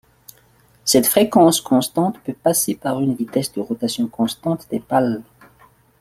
Cette fréquence constante peut passer par une vitesse de rotation constante des pales.